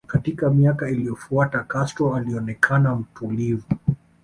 Katika miaka iliyofuata Castro alionekana mtulivu